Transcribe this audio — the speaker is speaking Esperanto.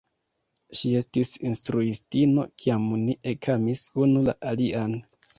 Ŝi estis instruistino, kiam ni ekamis unu la alian.